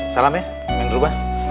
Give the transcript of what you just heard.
salam ya ingin rumah